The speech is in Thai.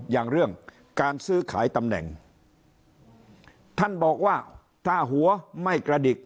อย่างเรื่องการซื้อขายตำแหน่งท่านบอกว่าถ้าหัวไม่กระดิก